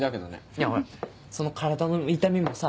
いやほらその体の痛みもさ